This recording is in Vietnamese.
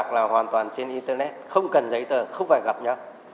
còn trên internet không cần giấy tờ không phải gặp nhau